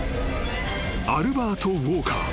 ［アルバート・ウォーカー。